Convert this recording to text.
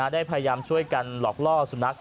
ได้พยายามช่วยกันหลอกล่อสุนัข